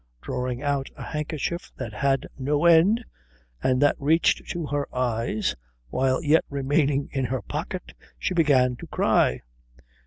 Drawing out a handkerchief that had no end and that reached to her eyes while yet remaining in her pocket, she began to cry.